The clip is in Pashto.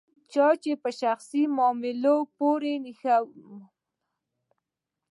د چا په شخصي معاملاتو پورې نښلي.